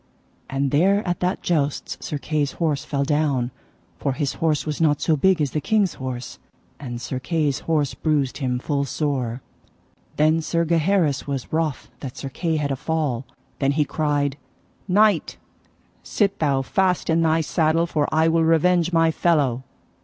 And there at that jousts Sir Kay's horse fell down, for his horse was not so big as the king's horse, and Sir Kay's horse bruised him full sore. Then Sir Gaheris was wroth that Sir Kay had a fall. Then he cried: Knight, sit thou fast in thy saddle, for I will revenge my fellow.